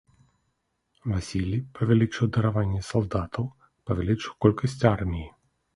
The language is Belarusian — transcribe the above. Васілій павялічыў дараванне салдатаў, павялічыў колькасць арміі.